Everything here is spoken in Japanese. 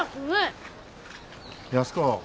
安子。